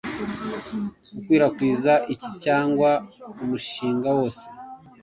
gukwirakwiza iki cyangwa umushinga wose